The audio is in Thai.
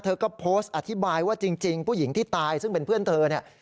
เธอก็โพสต์อธิบายว่าจริงผู้หญิงที่ตายซึ่งเป็นเพื่อนเธอเนี่ย